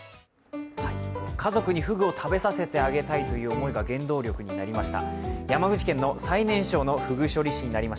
家族にふぐを食べさせてあげたいという思いが原動力になりました。